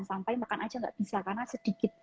sampai makan aja nggak bisa karena sedikit